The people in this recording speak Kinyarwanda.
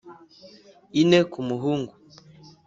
ine ku muhungu,